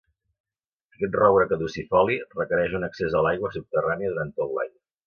Aquest roure caducifoli requereix un accés a l'aigua subterrània durant tot l'any.